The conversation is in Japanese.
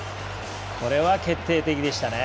これは決定的でしたね。